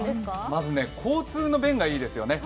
まず、交通の便がいいですよね。